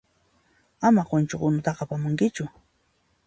Ama qunchu unuta apamunkichu.